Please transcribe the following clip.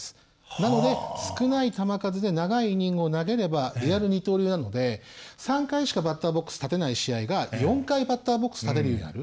なので少ない球数で長いイニングを投げればリアル二刀流なので３回しかバッターボックス立てない試合が４回バッターボックス立てるようになる。